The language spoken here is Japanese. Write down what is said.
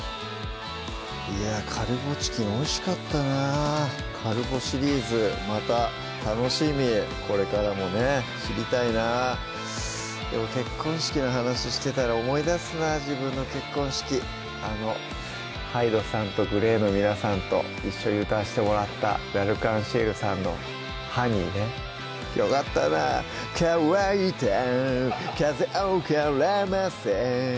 いやぁ「カルボチキン」おいしかったなカルボシリーズまた楽しみこれからもね知りたいなでも結婚式の話してたら思い出すな自分の結婚式あのＨＹＤＥさんとＧＬＡＹの皆さんと一緒に歌わせてもらったＬ’ＡｒｃｅｎＣｉｅｌさんの「かわいた風をからませ」